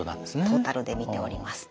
トータルで見ております。